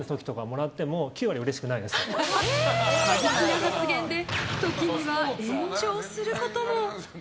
過激な発言で時には炎上することも。